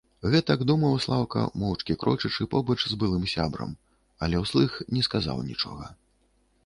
Гэтак думаў Слаўка, моўчкі крочачы побач з былым сябрам, але ўслых не сказаў нічога.